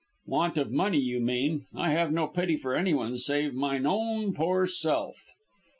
"Want of money, you mean. I have no pity for anyone save mine own poor self.